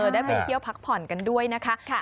ได้ไปเที่ยวพักผ่อนกันด้วยนะคะ